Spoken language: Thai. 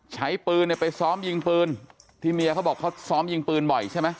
ใช้ปืนเนี่ยไปซ้อมยิงปืนที่เมียเขาบอกเขาซ้อมยิงปืนบ่อยใช่ไหม